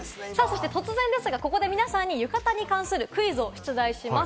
突然ですが、ここで皆さんに浴衣に関するクイズを出題します。